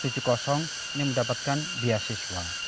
ini mendapatkan biaya siswa